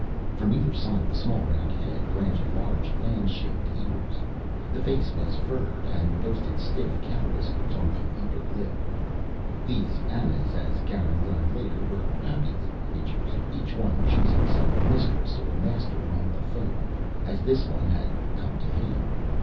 From either side of the small round head branched large fan shaped ears. The face was furred and boasted stiff cat whiskers on the upper lip. These Anas, as Garin learned later, were happy little creatures, each one choosing some mistress or master among the Folk, as this one had come to him.